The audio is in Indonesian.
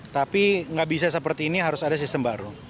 tapi nggak bisa seperti ini harus ada sistem baru